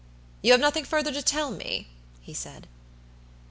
"You have nothing further to tell me?" he said.